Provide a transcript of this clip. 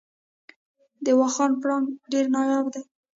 د واخان پړانګ ډیر نایاب دی